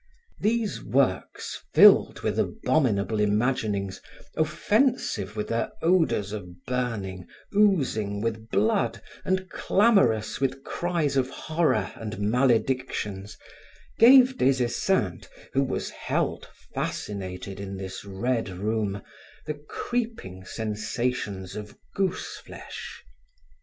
These works filled with abominable imaginings, offensive with their odors of burning, oozing with blood and clamorous with cries of horror and maledictions, gave Des Esseintes, who was held fascinated in this red room, the creeping sensations of goose flesh.